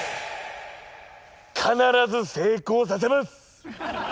必ず成功させます！